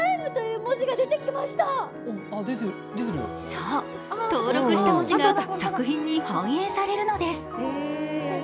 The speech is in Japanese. そう、登録した文字が作品に反映されるのです。